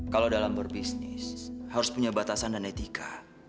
kalau dalam berbisnis harus punya batasan dan etika